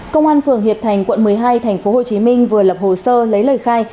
công an phường hiệp thành quận một mươi hai tp hcm vừa lập hồ sơ lấy lời khai